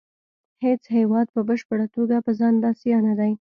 هیڅ هیواد په بشپړه توګه په ځان بسیا نه دی